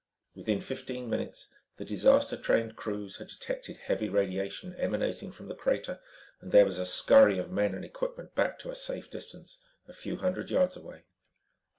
Within fifteen minutes, the disaster trained crews had detected heavy radiation emanating from the crater and there was a scurry of men and equipment back to a safe distance, a few hundred yards away.